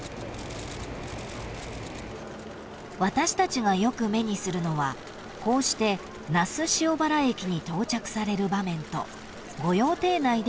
［私たちがよく目にするのはこうして那須塩原駅に到着される場面と御用邸内での散策のみ］